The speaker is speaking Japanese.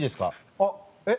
あっえっ？